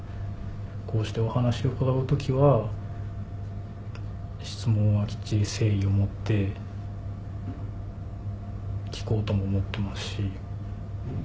こうしてお話を伺う時は質問はきっちり誠意を持って聞こうとも思ってますし。